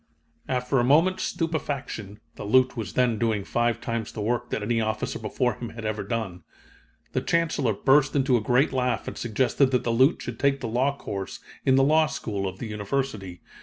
"After a moment's stupefaction (the Lieut. was then doing five times the work that any officer before him had ever done) the Chancellor burst into a great laugh and suggested that the Lieut. should take the law course in the law school of the University.